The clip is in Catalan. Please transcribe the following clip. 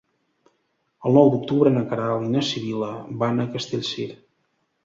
El nou d'octubre na Queralt i na Sibil·la van a Castellcir.